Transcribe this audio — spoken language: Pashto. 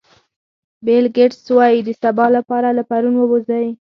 بیل ګېټس وایي د سبا لپاره له پرون ووځئ.